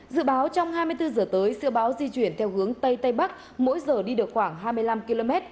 dự báo trong hai mươi bốn h tới siêu bão di chuyển theo hướng tây tây bắc mỗi giờ đi được khoảng hai mươi năm km